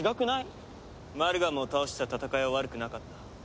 マルガムを倒した戦いは悪くなかった。